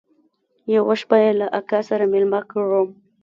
يوه شپه يې له اکا سره ميلمه کړم.